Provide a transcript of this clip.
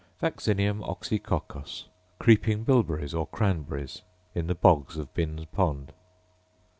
Vaccinium oxycoccos, creeping bilberries or cranberries, — in the bogs of Bin's pond.